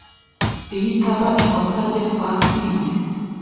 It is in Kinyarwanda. Iyo itaba ikosa rye, twatsinze